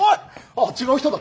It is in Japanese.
あ違う人だ。